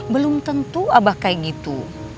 belum tentu abah seperti itu